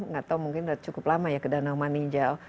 gak tau mungkin udah cukup lama ya ke danau maninjal